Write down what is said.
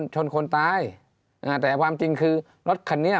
ชนคนตายแต่ความจริงคือรถคันนี้